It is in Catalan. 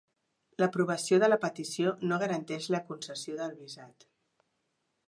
L'aprovació de la petició no garanteix la concessió del visat.